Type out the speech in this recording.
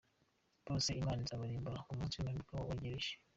bose imana izabarimbura ku munsi w’imperuka wegereje.